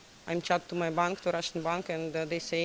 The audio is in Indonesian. saya berbicara dengan bank rusia dan mereka mengatakan